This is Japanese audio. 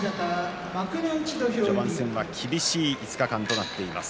幕序盤戦は厳しい５日間となっています。